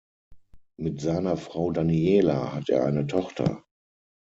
Mit seiner Frau Daniela hat er eine Tochter.